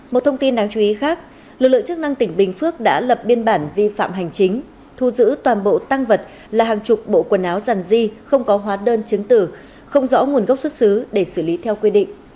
một thông tin đáng chú ý khác lực lượng chức năng tỉnh bình phước đã lập biên bản vi phạm hành chính thu giữ toàn bộ tăng vật là hàng chục bộ quần áo giàn di không có hóa đơn chứng tử không rõ nguồn gốc xuất xứ để xử lý theo quy định